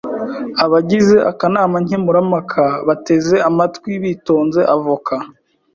Abagize akanama nkemurampaka bateze amatwi bitonze avoka.